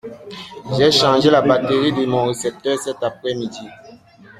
J'ai changé la batterie de mon récepteur cet après-midi.